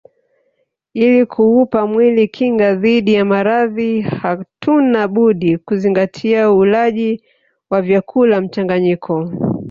Ili kuupa mwili kinga dhidi ya maradhi hatuna budi kuzingatia ulaji wa vyakula mchanganyiko